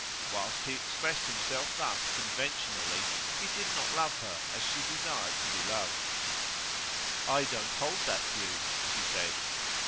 Whilst he expressed himself thus conventionally he did not love her as she desired to be loved. 'I don't hold that view,' she said.